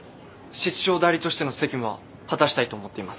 室長代理としての責務は果たしたいと思っています。